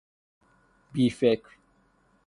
بیفکر